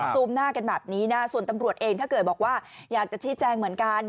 ซูมหน้ากันแบบนี้นะส่วนตำรวจเองถ้าเกิดบอกว่าอยากจะชี้แจงเหมือนกัน